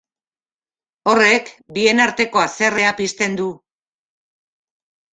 Horrek bien arteko haserrea pizten du.